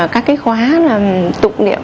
các cái khóa là tụng niệm